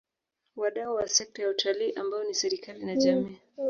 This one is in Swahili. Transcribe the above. Wadau wa sekta ya Utalii ambao ni serikali na jamii